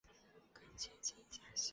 更接近家乡